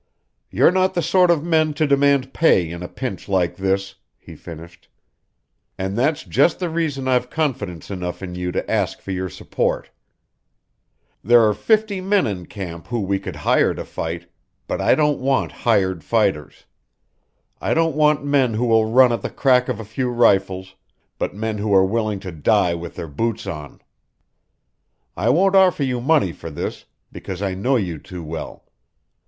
"You're not the sort of men to demand pay in a pinch like this," he finished, "and that's just the reason I've confidence enough in you to ask for your support. There are fifty men in camp whom we could hire to fight, but I don't want hired fighters. I don't want men who will run at the crack of a few rifles, but men who are willing to die with their boots on. I won't offer you money for this, because I know you too well.